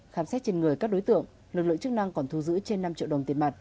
khám xét trên người các đối tượng lực lượng chức năng còn thu giữ trên năm triệu đồng tiền mặt